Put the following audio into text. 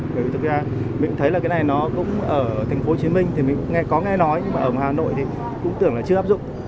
mình cũng thấy là cái này nó cũng ở thành phố chí minh thì mình có nghe nói nhưng mà ở hà nội thì cũng tưởng là chưa hấp dụng